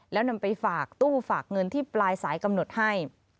แล้วนำไปฝากตู้ฝากเงินที่ปลายสายกำหนดให้